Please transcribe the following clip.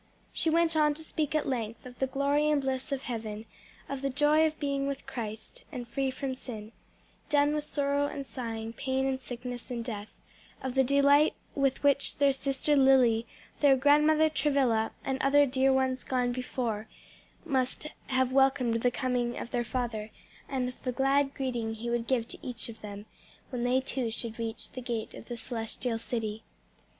She went on to speak at length of the glory and bliss of heaven, of the joy of being with Christ and free from sin; done with sorrow and sighing, pain and sickness and death; of the delight with which their sister Lily, their Grandmother Travilla, and other dear ones gone before, must have welcomed the coming of their father; and of the glad greeting he would give to each of them when they too should reach the gate of the Celestial City.